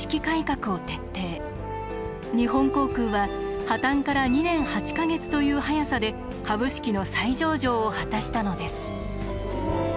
日本航空は破綻から２年８か月という早さで株式の再上場を果たしたのです。